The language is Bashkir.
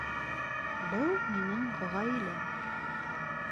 Был минең ғаиләм